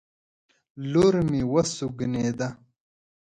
لور مې وسونګېده